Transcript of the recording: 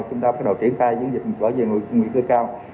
chúng ta bắt đầu triển khai chiến dịch bảo vệ người trung nguy cơ cao